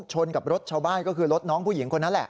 ชนกับรถชาวบ้านก็คือรถน้องผู้หญิงคนนั้นแหละ